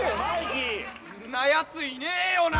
「んなやついねえよな！？」